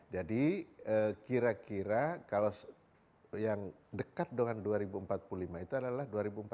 jadi kira kira kalau yang dekat dengan dua ribu empat puluh lima itu adalah dua ribu empat puluh empat